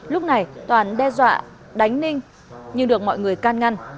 lúc này toàn đe dọa đánh ninh nhưng được mọi người can ngăn